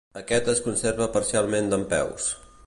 Aquest es conserva parcialment dempeus.